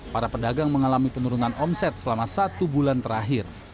para pedagang mengalami penurunan omset selama satu bulan terakhir